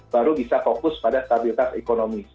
baru bisa fokus pada stabilitas ekonomi